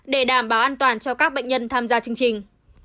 để đảm bảo an toàn cho các bệnh nhân tham gia chương trình